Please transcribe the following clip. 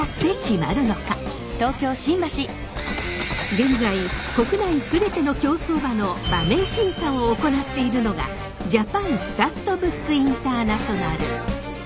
現在国内すべての競走馬の馬名審査を行っているのがジャパン・スタッドブック・インターナショナル。